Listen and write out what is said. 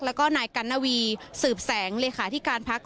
แล้วก็นายกัณวีสืบแสงเลขาที่การพัก